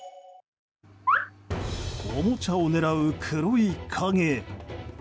おもちゃを狙う黒い影。